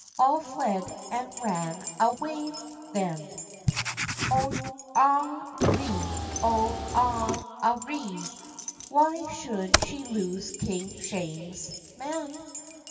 All fled and ran awa' then. Oh' on a ri, Oh' on a ri, Why should she lose King Shames, man?